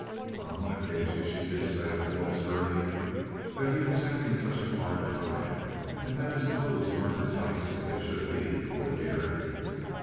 On one occasion she did say of Forbes Gurney "that he was having such a hard time, and that his clothes weren't as nice as they should be, poor dear!"